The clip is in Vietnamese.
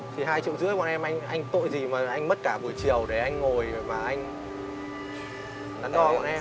thì hai triệu rưỡi bọn em anh tội gì mà anh mất cả buổi chiều để anh ngồi và anh đắn đo bọn em